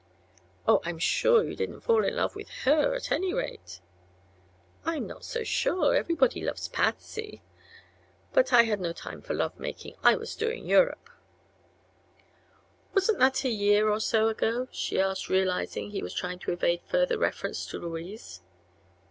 "Oh. I'm sure you didn't fall in love with her, at any rate." "I'm not so sure. Everybody loves Patsy. But I had no time for love making. I was doing Europe." "Wasn't that a year or so ago?" she asked, realizing he was trying to evade further reference to Louise.